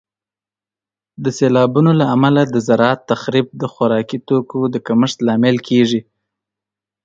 د سیلابونو له امله د زراعت تخریب د خوراکي توکو د کمښت لامل کیږي.